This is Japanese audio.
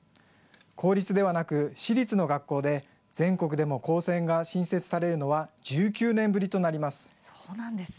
公立ではなく私立の学校で全国でも高専が新設されるのは１９年ぶりとなります。